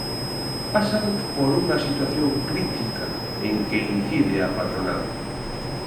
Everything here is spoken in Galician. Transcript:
Pasan por unha situación crítica, en que incide a patronal.